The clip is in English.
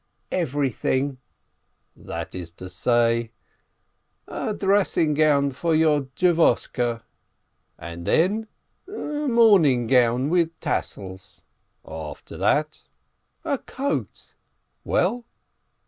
"Everything." "That is to say?" "A dressing gown for your Dvoshke, —" "And then?" "A morning gown with tassels, —" "After that?" "A coat." "Well?"